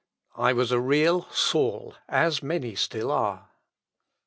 I was a real Saul, as many still are."